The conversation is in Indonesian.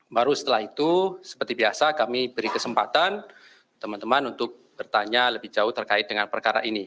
baru setelah itu seperti biasa kami beri kesempatan teman teman untuk bertanya lebih jauh terkait dengan perkara ini